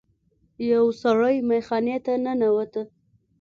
یو سړی میخانې ته ننوت.